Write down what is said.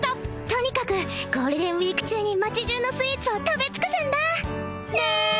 とにかくゴールデンウイーク中に街じゅうのスイーツを食べ尽くすんだね！